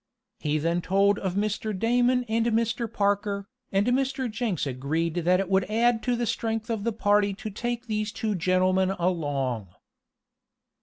He then told of Mr. Damon and Mr. Parker, and Mr. Jenks agreed that it would add to the strength of the party to take these two gentlemen along.